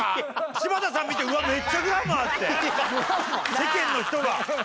柴田さん見て「うわめっちゃグラマー」って世間の人が。